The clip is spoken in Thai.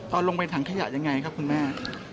เอาลงไปถังขยะยังไงครับคุณแม่